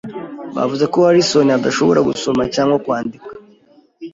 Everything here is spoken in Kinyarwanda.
Bavuze ko Harrison adashobora gusoma cyangwa kwandika.